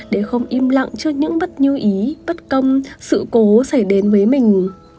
để không im lặng trước những bất như ý bất công sự cố xảy đến với mình